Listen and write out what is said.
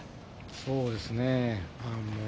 そうですね。